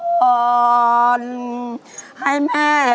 พ่อสาว